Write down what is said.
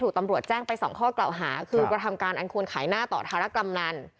ตำรวจแจ้งไปสองข้อกล่าวหาคือกระทำการอันควรขายหน้าต่อธารกำนัน